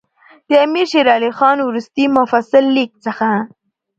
د امیر شېر علي خان وروستي مفصل لیک څخه.